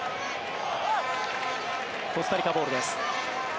コスタリカボールです。